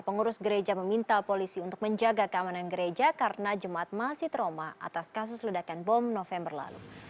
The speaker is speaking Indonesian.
pengurus gereja meminta polisi untuk menjaga keamanan gereja karena jemaat masih trauma atas kasus ledakan bom november lalu